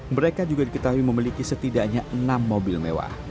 mereka juga diketahui memiliki setidaknya enam mobil mewah